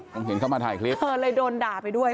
เลยโดนด่าไปด้วย